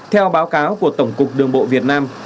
theo báo cáo của tổng cục đường bộ việt nam